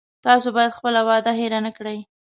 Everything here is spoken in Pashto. تاسو باید خپله وعده هیره نه کړی